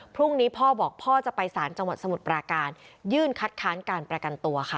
พรุ่งนี้พ่อบอกพ่อจะไปสารจังหวัดสมุทรปราการยื่นคัดค้านการประกันตัวค่ะ